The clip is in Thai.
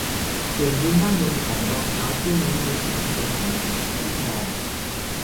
ส่วนพื้นด้านบนของรองเท้าคู่นี้มีลักษณะเป็นหัวเข็มขัดที่ทอง